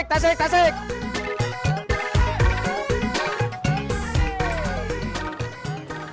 kasih kasih kasih